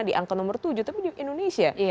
di angka nomor tujuh tapi di indonesia